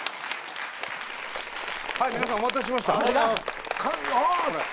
はい皆さんお待たせしました。